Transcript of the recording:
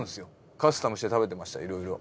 カスタムして食べてましたいろいろ。